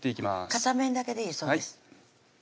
片面だけでいいそうです